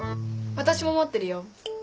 私も持ってるよ。